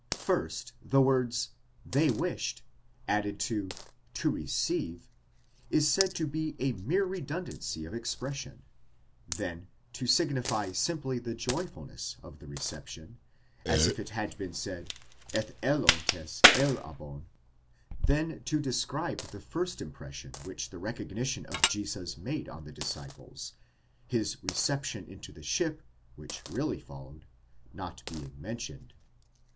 First, the word ἤθελον, they wished, added to λαβεῖν, to receive, is said to be a mere redundancy of ex pression ; then, to signify simply the joyfulness of the reception, as if it had been said, ἐθέλοντες ἔλαβον ; then, to describe the first impression which the recognition of Jesus made on the disciples, his reception into the ship, which really followed, not being mentioned.!